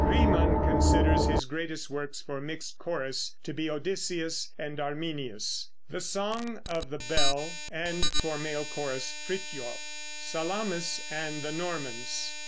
Riemann considers his greatest works for mixed chorus to be "Odysseus," "Arminius," "The Song of the Bell," and for male chorus "Frithjof," "Salamis" and "The Normans."